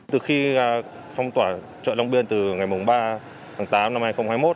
từ khi phong tỏa chợ long biên từ ngày ba tháng tám năm hai nghìn hai mươi một